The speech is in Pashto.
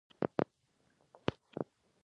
مخکې یې وویل یو ملا چې زه یې پېژنم.